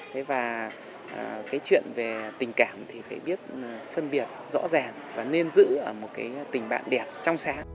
thế và cái chuyện về tình cảm thì phải biết phân biệt rõ ràng và nên giữ ở một cái tình bạn đẹp trong sáng